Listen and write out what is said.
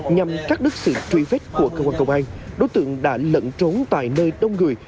nhằm cắt đứt sự truy vết của cơ quan công an đối tượng đã lẫn trốn tại nơi đông người